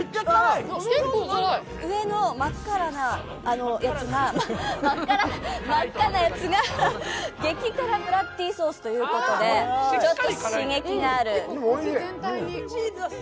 上の真っ赤なやつが激辛ブラッディソースということで、ちょっと刺激がある。